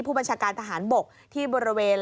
ผู้บัญชาการทหารบกที่บริเวณ